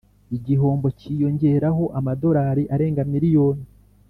igihombo cyiyongeraho amadolari arenga miliyoni.